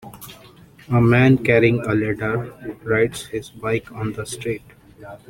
A man carrying a ladder rides his bike on the street